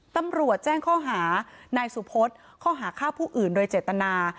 ตำรวจแจ้งข้อหานายสุพศข้อหาฆ่าผู้อื่นโดยเจตนา